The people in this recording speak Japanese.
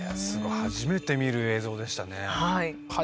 初めて見る映像でしたね。